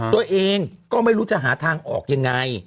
ตัวเองก็ไม่รู้จะหาทางออกยังไง